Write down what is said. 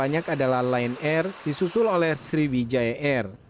banyak adalah lion air disusul oleh sriwijaya air